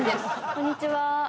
こんにちは。